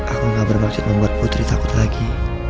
aku gak bermaksud membuat putri takut lagi